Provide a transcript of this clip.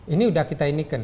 ini udah kita inikan